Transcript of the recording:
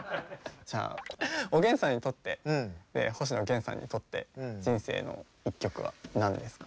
じゃあおげんさんにとって星野源さんにとって人生の一曲は何ですか？